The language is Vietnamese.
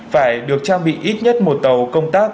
phải được trang bị ít nhất một tàu công tác